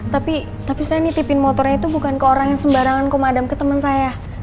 tapi tapi saya nitipin motornya itu bukan ke orang yang sembarangan kumadam ke temen saya